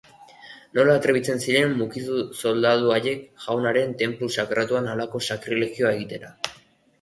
Nola atrebitzen ziren mukizu zoldazu haiek Jaunaren tenplu sakratuan halako sakrilegioa egitera!